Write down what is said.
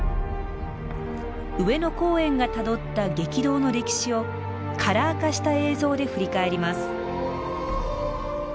上野公園がたどった激動の歴史をカラー化した映像で振り返ります。